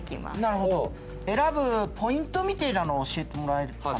なるほど選ぶポイントみてえなのを教えてもらえるかな。